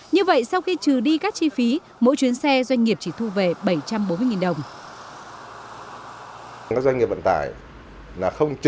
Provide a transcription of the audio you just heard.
như vậy sau khi trừ đi các chi phí mỗi chuyến xe doanh nghiệp chỉ thu về bảy trăm bốn mươi đồng